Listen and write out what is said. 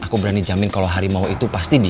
aku berani jamin kalau harimau itu pasti di